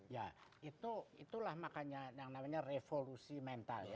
ya itulah makanya yang namanya revolusi mental ya